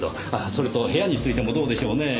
それと部屋についてもどうでしょうねぇ。